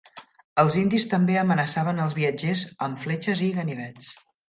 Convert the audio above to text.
Els indis també amenaçaven als viatgers amb fletxes i ganivets.